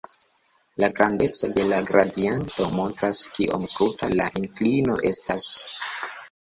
La grandeco de la gradiento montras kiom kruta la inklino estas.